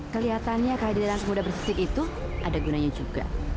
kelihatannya kehadiran anak muda bersisik itu ada gunanya juga